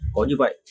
có như vậy